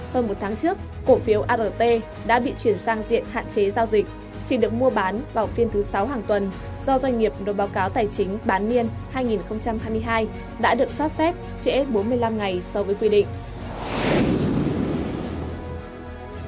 hơn một tháng trước cổ phiếu art đã bị chuyển sang diện hạn chế giao dịch chỉ được mua bán vào phiên thứ sáu hàng tuần do doanh nghiệp nộp báo cáo tài chính bán niên hai nghìn hai mươi hai đã được xót xét bốn mươi năm ngày so với quy định